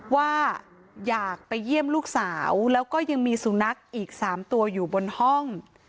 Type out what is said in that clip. ว่าอยากไปเยี่ยมลูกสาวแล้วก็ยังมีสุนัขอีก๓ตัวอยู่บนห้อง